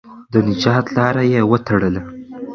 د نجات لاره یې وتړله.